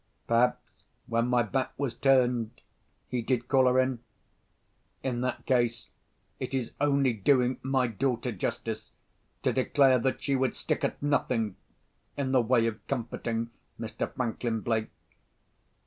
Perhaps, when my back was turned, he did call her in? In that case it is only doing my daughter justice to declare that she would stick at nothing, in the way of comforting Mr. Franklin Blake.